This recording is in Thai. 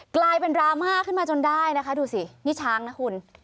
กลายเป็นดราม่าขึ้นมาจนได้นะคะดูสินี่ช้างนะคุณ